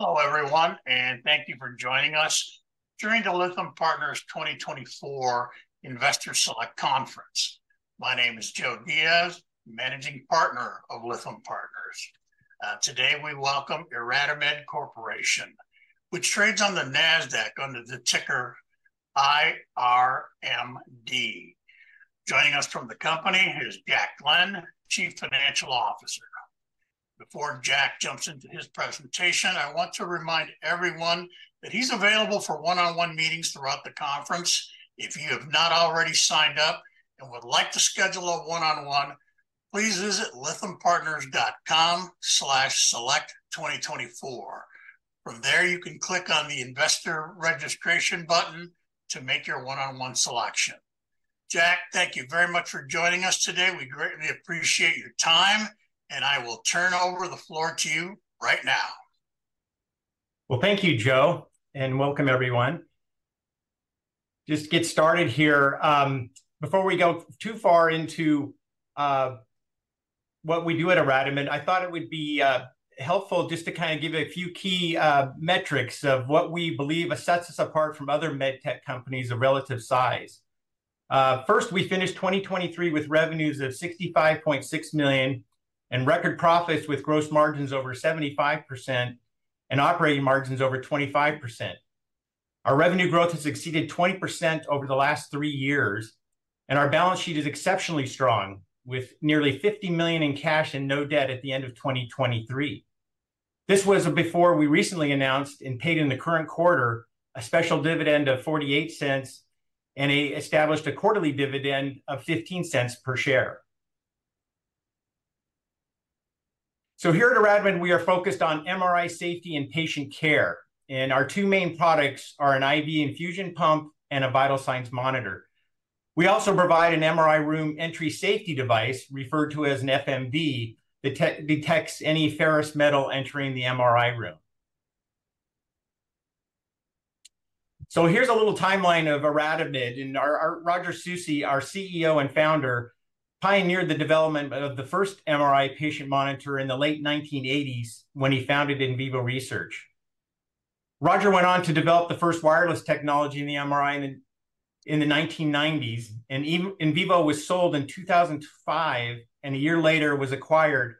Hello, everyone, and thank you for joining us during the Lytham Partners 2024 Investor Select Conference. My name is Joe Diaz, Managing Partner of Lytham Partners. Today we welcome IRadimed Corporation, which trades on the Nasdaq under the ticker IRMD. Joining us from the company is Jack Glenn, Chief Financial Officer. Before Jack jumps into his presentation, I want to remind everyone that he's available for one-on-one meetings throughout the conference. If you have not already signed up and would like to schedule a one-on-one, please visit lythampartners.com/select2024. From there, you can click on the Investor Registration button to make your one-on-one selection. Jack, thank you very much for joining us today. We greatly appreciate your time, and I will turn over the floor to you right now. Well, thank you, Joe, and welcome everyone. Just get started here. Before we go too far into what we do at IRadimed, I thought it would be helpful just to kind of give a few key metrics of what we believe sets us apart from other med tech companies of relative size. First, we finished 2023 with revenues of $65.6 million, and record profits with gross margins over 75% and operating margins over 25%. Our revenue growth has exceeded 20% over the last three years, and our balance sheet is exceptionally strong, with nearly $50 million in cash and no debt at the end of 2023. This was before we recently announced and paid in the current quarter a special dividend of $0.48 and established a quarterly dividend of $0.15 per share. So here at IRadimed, we are focused on MRI safety and patient care, and our two main products are an IV infusion pump and a vital signs monitor. We also provide an MRI room entry safety device, referred to as an FMD, that detects any ferrous metal entering the MRI room. So here's a little timeline of Iradimed. Our Roger Susi, our CEO and founder, pioneered the development of the first MRI patient monitor in the late 1980s when he founded Invivo Research. Roger went on to develop the first wireless technology in the MRI in the 1990s, and Invivo was sold in 2005, and a year later was acquired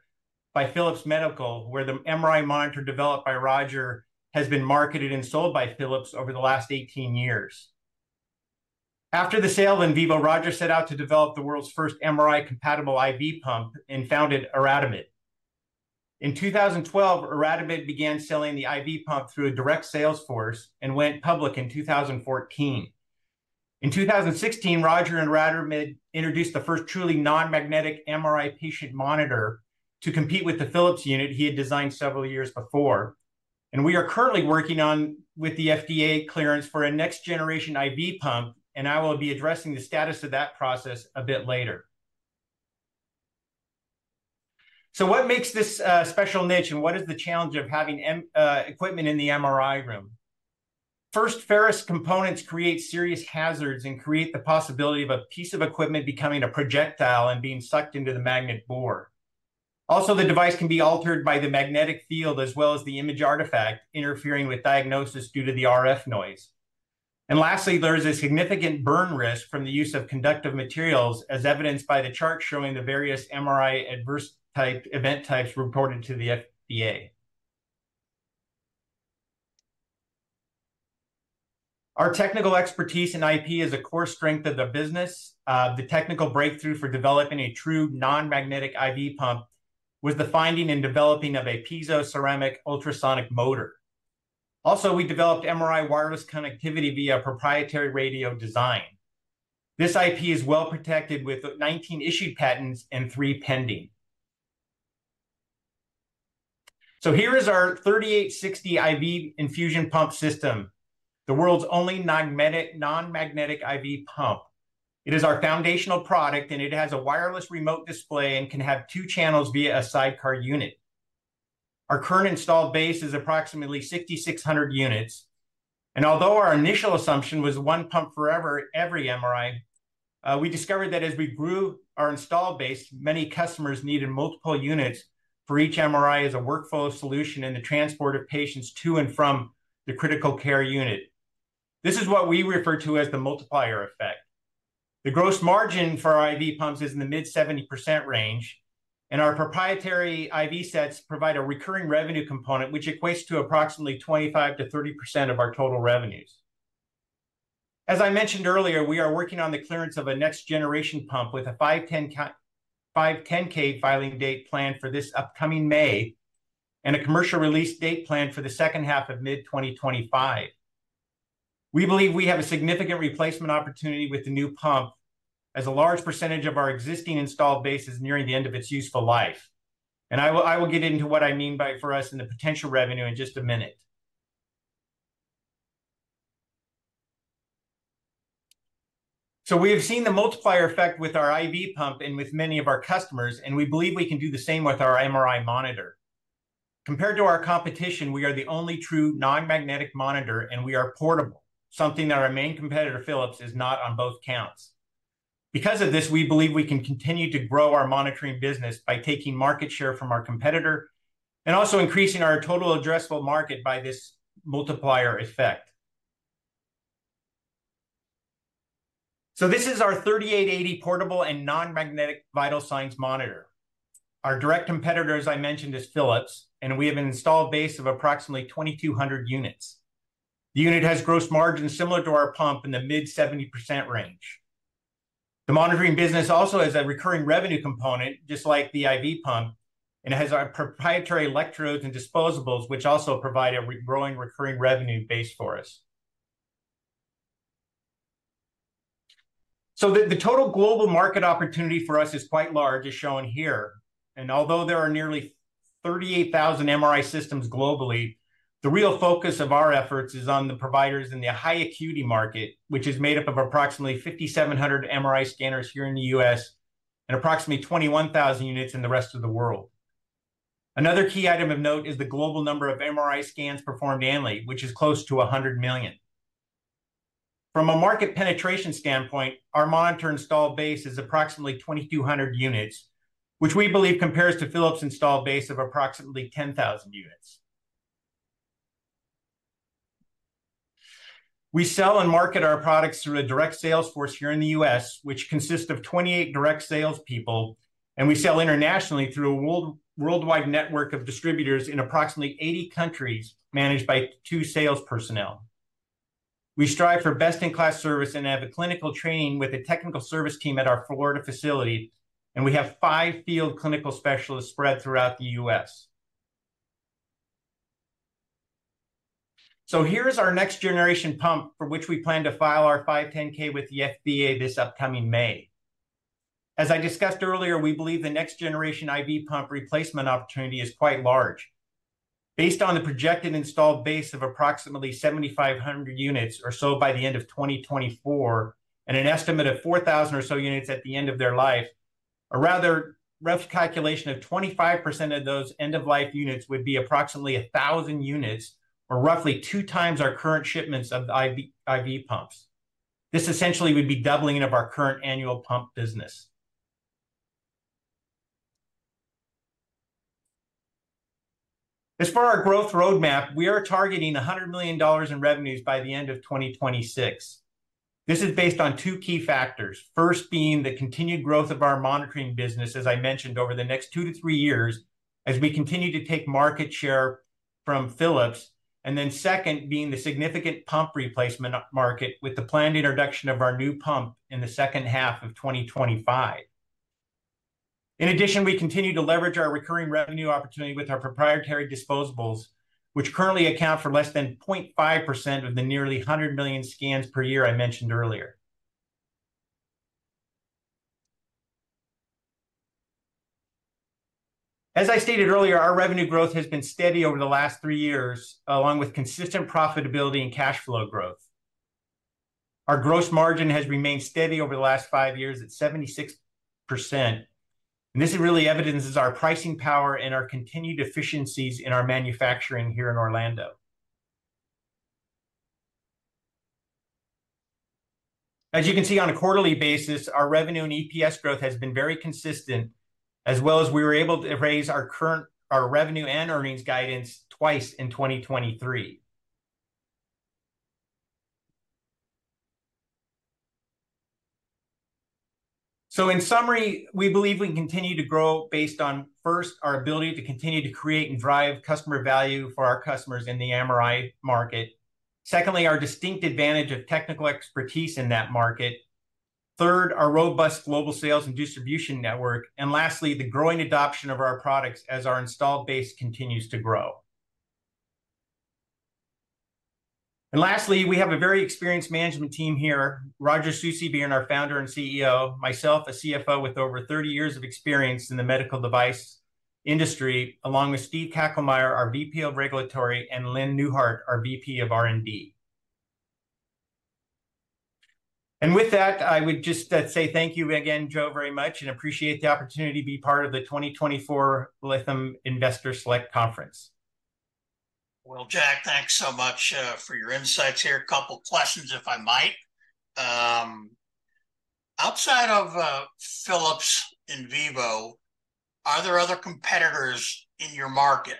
by Philips Medical, where the MRI monitor developed by Roger has been marketed and sold by Philips over the last 18 years. After the sale of Invivo, Roger set out to develop the world's first MRI-compatible IV pump and founded IRadimed. In 2012, IRadimed began selling the IV pump through a direct sales force and went public in 2014. In 2016, Roger and IRadimed introduced the first truly non-magnetic MRI patient monitor to compete with the Philips unit he had designed several years before. We are currently working on with the FDA clearance for a next-generation IV pump, and I will be addressing the status of that process a bit later. What makes this special niche, and what is the challenge of having equipment in the MRI room? First, ferrous components create serious hazards and create the possibility of a piece of equipment becoming a projectile and being sucked into the magnet bore. Also, the device can be altered by the magnetic field, as well as the image artifact, interfering with diagnosis due to the RF noise. And lastly, there is a significant burn risk from the use of conductive materials, as evidenced by the chart showing the various MRI adverse type, event types reported to the FDA. Our technical expertise in IP is a core strength of the business. The technical breakthrough for developing a true non-magnetic IV pump was the finding and developing of a piezoceramic ultrasonic motor. Also, we developed MRI wireless connectivity via proprietary radio design. This IP is well protected, with 19 issued patents and three pending. So here is our 3860 IV infusion pump system, the world's only non-magnetic, non-magnetic IV pump. It is our foundational product, and it has a wireless remote display and can have two channels via a sidecar unit. Our current installed base is approximately 6,600 units, and although our initial assumption was one pump forever, every MRI, we discovered that as we grew our installed base, many customers needed multiple units for each MRI as a workflow solution in the transport of patients to and from the critical care unit. This is what we refer to as the multiplier effect. The gross margin for our IV pumps is in the mid-70% range, and our proprietary IV sets provide a recurring revenue component, which equates to approximately 25%-30% of our total revenues. As I mentioned earlier, we are working on the clearance of a next-generation pump with a 510(k) filing date planned for this upcoming May, and a commercial release date planned for the second half of mid-2025. We believe we have a significant replacement opportunity with the new pump, as a large percentage of our existing installed base is nearing the end of its useful life, and I will, I will get into what I mean by for us and the potential revenue in just a minute. So we have seen the multiplier effect with our IV pump and with many of our customers, and we believe we can do the same with our MRI monitor. Compared to our competition, we are the only true non-magnetic monitor, and we are portable, something that our main competitor, Philips, is not on both counts. Because of this, we believe we can continue to grow our monitoring business by taking market share from our competitor, and also increasing our total addressable market by this multiplier effect. So this is our 3880 portable and non-magnetic vital signs monitor. Our direct competitor, as I mentioned, is Philips, and we have an installed base of approximately 2,200 units. The unit has gross margins similar to our pump in the mid-70% range. The monitoring business also has a recurring revenue component, just like the IV pump, and it has our proprietary electrodes and disposables, which also provide a re-growing recurring revenue base for us. So the total global market opportunity for us is quite large, as shown here, and although there are nearly 38,000 MRI systems globally, the real focus of our efforts is on the providers in the high acuity market, which is made up of approximately 5,700 MRI scanners here in the U.S., and approximately 21,000 units in the rest of the world. Another key item of note is the global number of MRI scans performed annually, which is close to 100 million. From a market penetration standpoint, our monitor installed base is approximately 2,200 units, which we believe compares to Philips' installed base of approximately 10,000 units. We sell and market our products through a direct sales force here in the U.S., which consists of 28 direct sales people, and we sell internationally through a worldwide network of distributors in approximately 80 countries, managed by two sales personnel. We strive for best-in-class service and have a clinical training with the technical service team at our Florida facility, and we have five field clinical specialists spread throughout the U.S. So here is our next generation pump, for which we plan to file our 510(k) with the FDA this upcoming May. As I discussed earlier, we believe the next generation IV pump replacement opportunity is quite large. Based on the projected installed base of approximately 7,500 units or so by the end of 2024, and an estimate of 4,000 or so units at the end of their life, a rather rough calculation of 25% of those end-of-life units would be approximately 1,000 units, or roughly 2 times our current shipments of the IV, IV pumps. This essentially would be doubling of our current annual pump business. As for our growth roadmap, we are targeting $100 million in revenues by the end of 2026. This is based on two key factors, first being the continued growth of our monitoring business, as I mentioned, over the next 2-3 years, as we continue to take market share from Philips. Then second, being the significant pump replacement market, with the planned introduction of our new pump in the second half of 2025. In addition, we continue to leverage our recurring revenue opportunity with our proprietary disposables, which currently account for less than 0.5% of the nearly 100 million scans per year I mentioned earlier. As I stated earlier, our revenue growth has been steady over the last 3 years, along with consistent profitability and cash flow growth. Our gross margin has remained steady over the last 5 years at 76%, and this really evidences our pricing power and our continued efficiencies in our manufacturing here in Orlando. As you can see, on a quarterly basis, our revenue and EPS growth has been very consistent, as well as we were able to raise our revenue and earnings guidance twice in 2023. So in summary, we believe we can continue to grow based on, first, our ability to continue to create and drive customer value for our customers in the MRI market; secondly, our distinct advantage of technical expertise in that market; third, our robust global sales and distribution network; and lastly, the growing adoption of our products as our installed base continues to grow. And lastly, we have a very experienced management team here, Roger Susi being our founder and CEO, myself, a CFO with over 30 years of experience in the medical device industry, along with Steve Kachelmeyer, our VP of Regulatory, and Lynn Neuhardt, our VP of R&D. And with that, I would just say thank you again, Joe, very much, and appreciate the opportunity to be part of the 2024 Lytham Investor Select Conference. Well, Jack, thanks so much for your insights here. A couple questions, if I might. Outside of Philips and Invivo, are there other competitors in your market?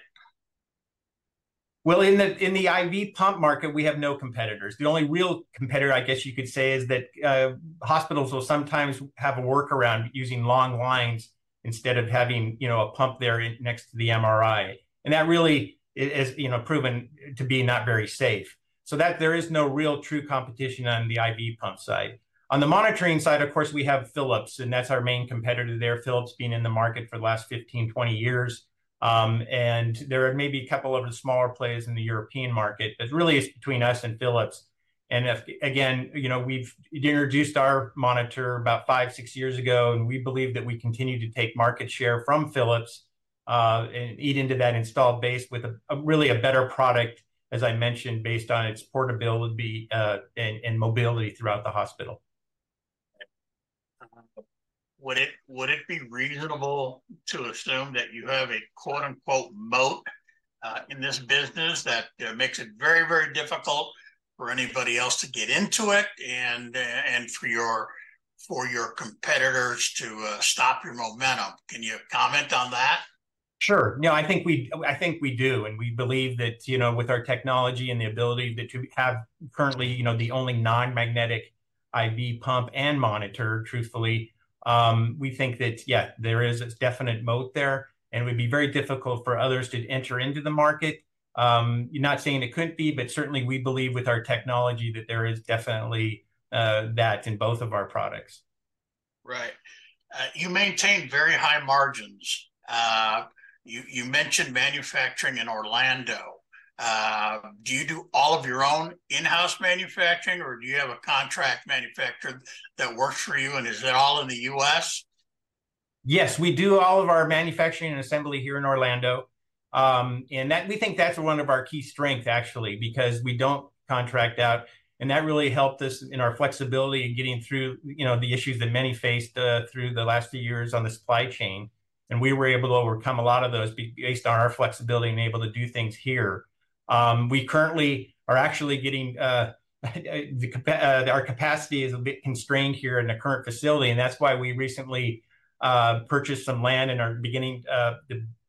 Well, in the IV pump market, we have no competitors. The only real competitor, I guess you could say, is that hospitals will sometimes have a workaround using long lines instead of having, you know, a pump there in, next to the MRI, and that really has, you know, proven to be not very safe. So that, there is no real true competition on the IV pump side. On the monitoring side, of course, we have Philips, and that's our main competitor there, Philips being in the market for the last 15, 20 years. And there are maybe a couple of the smaller players in the European market, but really it's between us and Philips. And if... Again, you know, we've introduced our monitor about five to six years ago, and we believe that we continue to take market share from Philips and eat into that installed base with a really better product, as I mentioned, based on its portability and mobility throughout the hospital. Would it be reasonable to assume that you have a, quote, unquote, "moat" in this business that makes it very, very difficult for anybody else to get into it, and for your competitors to stop your momentum? Can you comment on that? Sure. No, I think we do, and we believe that, you know, with our technology and the ability that we have currently, you know, the only non-magnetic IV pump and monitor, truthfully, we think that, yeah, there is a definite moat there, and it would be very difficult for others to enter into the market. Not saying it couldn't be, but certainly we believe with our technology that there is definitely that in both of our products. Right. You maintain very high margins. You, you mentioned manufacturing in Orlando. Do you do all of your own in-house manufacturing, or do you have a contract manufacturer that works for you, and is it all in the U.S.? Yes, we do all of our manufacturing and assembly here in Orlando. And we think that's one of our key strengths, actually, because we don't contract out, and that really helped us in our flexibility in getting through, you know, the issues that many faced, through the last few years on the supply chain, and we were able to overcome a lot of those based on our flexibility in being able to do things here. We currently are actually our capacity is a bit constrained here in the current facility, and that's why we recently purchased some land and are beginning to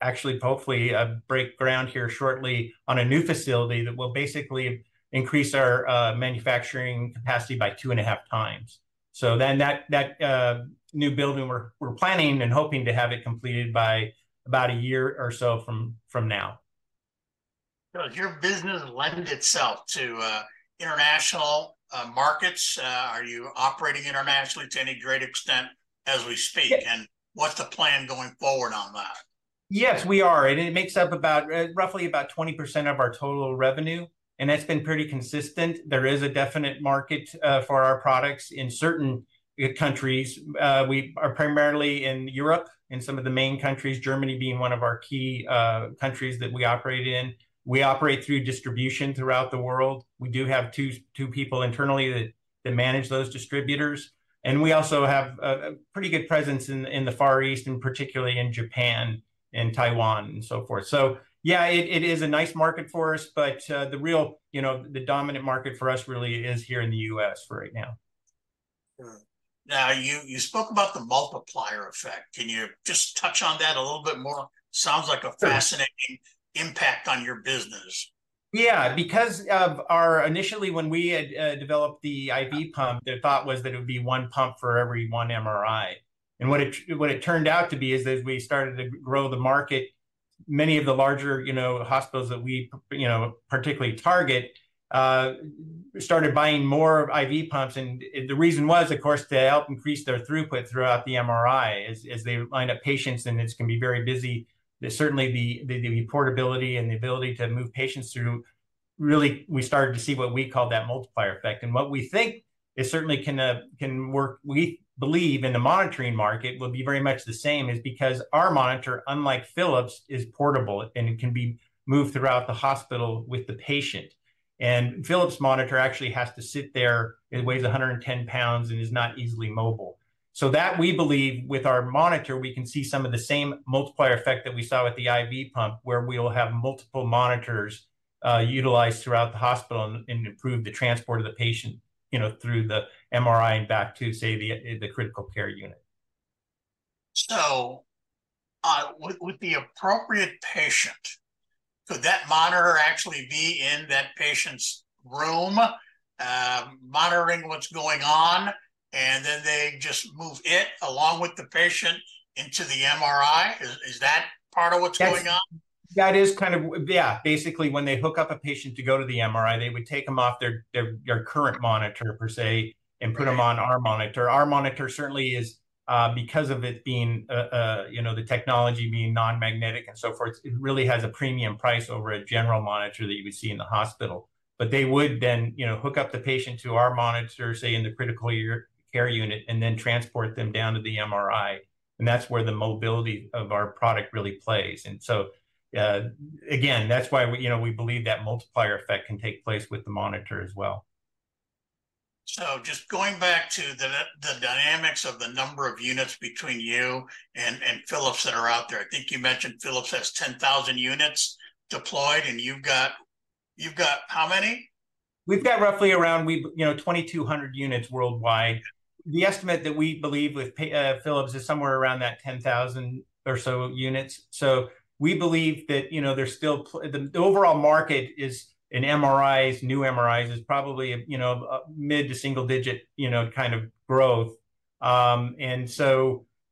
actually hopefully break ground here shortly on a new facility that will basically increase our manufacturing capacity by two and a half times. So then that new building we're planning and hoping to have it completed by about a year or so from now. Does your business lend itself to international markets? Are you operating internationally to any great extent as we speak? Yes. What's the plan going forward on that? Yes, we are, and it makes up about, roughly about 20% of our total revenue, and that's been pretty consistent. There is a definite market for our products in certain countries. We are primarily in Europe, in some of the main countries, Germany being one of our key countries that we operate in. We operate through distribution throughout the world. We do have two, two people internally that manage those distributors, and we also have a pretty good presence in the Far East, and particularly in Japan and Taiwan and so forth. So yeah, it is a nice market for us, but the real, you know, the dominant market for us really is here in the U.S. for right now. Now, you, you spoke about the multiplier effect. Can you just touch on that a little bit more? Sure. Sounds like a fascinating impact on your business. Yeah, because of our... Initially, when we had developed the IV pump, the thought was that it would be one pump for every one MRI. And what it, what it turned out to be is that we started to grow the market, many of the larger, you know, hospitals that we you know, particularly target started buying more IV pumps. And the reason was, of course, to help increase their throughput throughout the MRI, as they line up patients, and it's gonna be very busy. The certainly the portability and the ability to move patients through, really, we started to see what we call that multiplier effect. What we think it certainly can work, we believe, in the monitoring market will be very much the same, is because our monitor, unlike Philips, is portable, and it can be moved throughout the hospital with the patient. Philips' monitor actually has to sit there. It weighs 110 pounds and is not easily mobile. So that, we believe, with our monitor, we can see some of the same multiplier effect that we saw with the IV pump, where we'll have multiple monitors utilized throughout the hospital and improve the transport of the patient, you know, through the MRI and back to, say, the critical care unit. So, with the appropriate patient, could that monitor actually be in that patient's room, monitoring what's going on, and then they just move it, along with the patient, into the MRI? Is that part of what's going on? That is kind of yeah. Basically, when they hook up a patient to go to the MRI, they would take them off their current monitor, per se- Right And put them on our monitor. Our monitor certainly is, because of it being, you know, the technology being non-magnetic and so forth, it really has a premium price over a general monitor that you would see in the hospital. But they would then, you know, hook up the patient to our monitor, say in the critical care unit, and then transport them down to the MRI, and that's where the mobility of our product really plays. And so, again, that's why we, you know, we believe that multiplier effect can take place with the monitor as well. So just going back to the dynamics of the number of units between you and Philips that are out there, I think you mentioned Philips has 10,000 units deployed, and you've got...You've got how many? We've got roughly around you know 2,200 units worldwide. The estimate that we believe with Philips is somewhere around that 10,000 or so units. So we believe that, you know, there's still the overall market is, in MRIs, new MRIs, is probably, you know, mid- to single-digit, you know, kind of growth.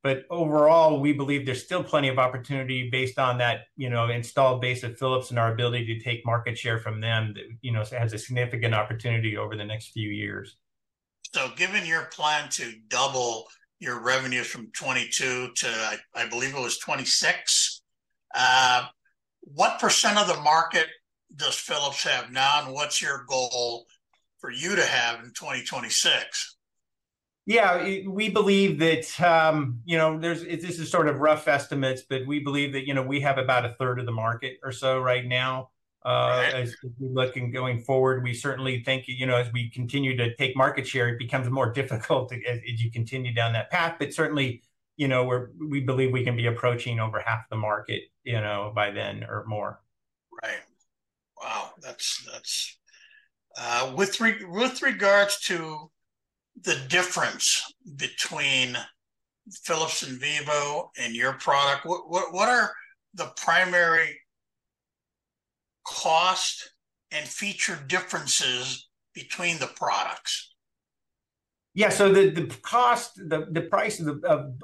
But overall, we believe there's still plenty of opportunity based on that, you know, installed base at Philips and our ability to take market share from them that, you know, has a significant opportunity over the next few years. Given your plan to double your revenues from 2022 to, I believe it was 2026, what percent of the market does Philips have now, and what's your goal for you to have in 2026? Yeah, we believe that, you know, this is sort of rough estimates, but we believe that, you know, we have about a third of the market or so right now. As we looking going forward, we certainly think, you know, as we continue to take market share, it becomes more difficult as you continue down that path. But certainly, you know, we believe we can be approaching over half the market, you know, by then or more. Right. Wow, that's with regards to the difference between Philips and Invivo and your product, what are the primary cost and feature differences between the products? Yeah, so the cost, the price of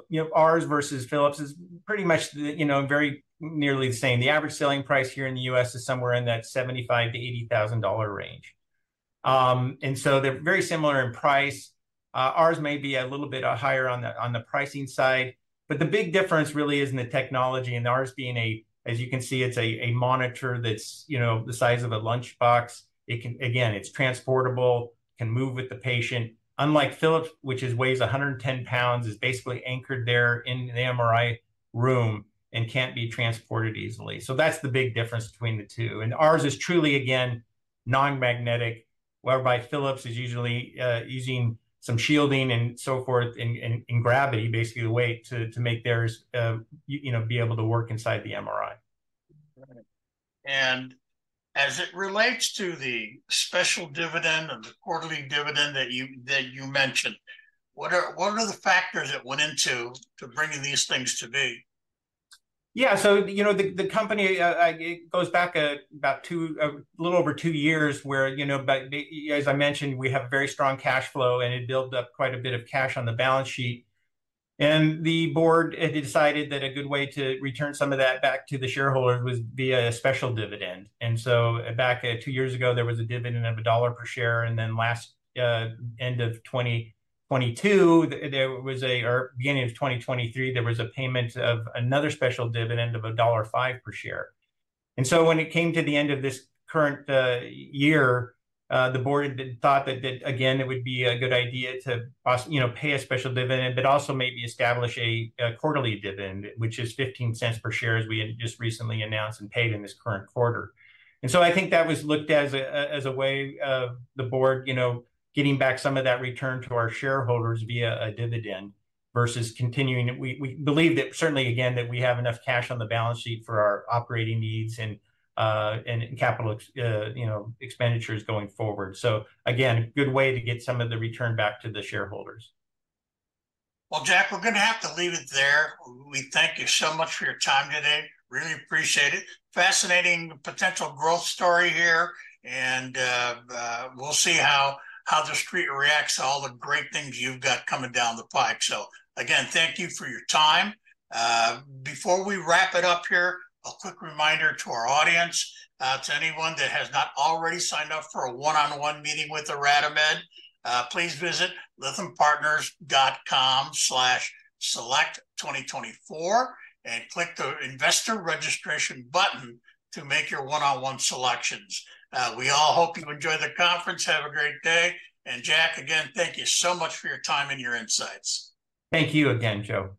you know ours versus Philips is pretty much the you know very nearly the same. The average selling price here in the U.S. is somewhere in that $75,000-$80,000 range. They're very similar in price. Ours may be a little bit higher on the pricing side, but the big difference really is in the technology, and ours being a... As you can see, it's a monitor that's you know the size of a lunchbox. It can... Again, it's transportable, can move with the patient, unlike Philips, which weighs 110 pounds, is basically anchored there in the MRI room and can't be transported easily. So that's the big difference between the two. Ours is truly, again, non-magnetic, whereby Philips is usually using some shielding and so forth in gravity, basically, a way to make theirs, you know, be able to work inside the MRI. Right. And as it relates to the special dividend or the quarterly dividend that you mentioned, what are the factors that went into bringing these things to be? Yeah, so, you know, the company, it goes back about a little over two years, where, you know, back. As I mentioned, we have very strong cash flow, and it built up quite a bit of cash on the balance sheet. And the board, it decided that a good way to return some of that back to the shareholders was via a special dividend. And so back two years ago, there was a dividend of $1 per share, and then last end of 2022, there was a... Or beginning of 2023, there was a payment of another special dividend of $1.05 per share. And so when it came to the end of this current year, the board had thought that, again, it would be a good idea to also, you know, pay a special dividend, but also maybe establish a quarterly dividend, which is $0.15 per share, as we had just recently announced and paid in this current quarter. And so I think that was looked as a way of the board, you know, getting back some of that return to our shareholders via a dividend versus continuing... We believe that certainly, again, that we have enough cash on the balance sheet for our operating needs and capital expenditures going forward. So again, a good way to get some of the return back to the shareholders. Well, Jack, we're gonna have to leave it there. We thank you so much for your time today. Really appreciate it. Fascinating potential growth story here, and we'll see how the street reacts to all the great things you've got coming down the pipe. So again, thank you for your time. Before we wrap it up here, a quick reminder to our audience, to anyone that has not already signed up for a one-on-one meeting with IRadimed, please visit lythampartners.com/select2024 and click the Investor Registration button to make your one-on-one selections. We all hope you enjoy the conference. Have a great day. And Jack, again, thank you so much for your time and your insights. Thank you again, Joe.